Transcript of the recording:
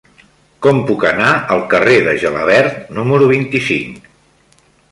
Com puc anar al carrer de Gelabert número vint-i-cinc?